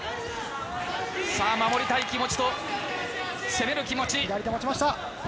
守りたい気持ちと攻める気持ち。